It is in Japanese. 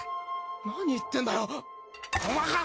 何言ってんだよ。